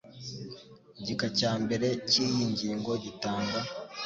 gika cya mbere cy iyi ngingo gitangwa